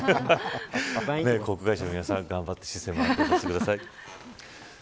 航空会社の皆さん、頑張ってシステムアップデートしてください。